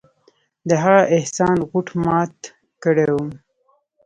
د هغه احسان غوټ مات کړى وم.